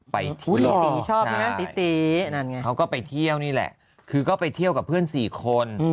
ไปเที่ยวใช่เขาก็ไปเที่ยวนี่แหละคือก็ไปเที่ยวกับเพื่อน๔คน